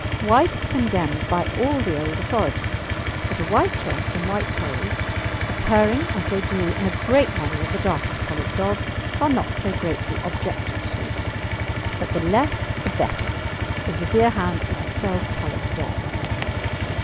White is condemned by all the old authorities, but a white chest and white toes, occurring as they do in a great many of the darkest coloured dogs, are not so greatly objected to, but the less the better, as the Deerhound is a self coloured dog.